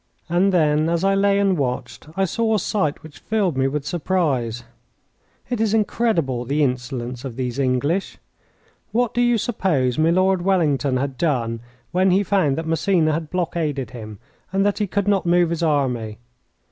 And then, as I lay and watched, I saw a sight which filled me with surprise. It is incredible the insolence of these English! What do you suppose Milord Wellington had done when he found that Massena had blockaded him and that he could not move his army?